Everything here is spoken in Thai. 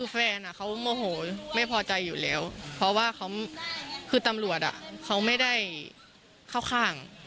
แฟนเขาโมโหไม่พอใจอยู่แล้วเพราะว่าเขาคือตำรวจเขาไม่ได้เข้าข้าง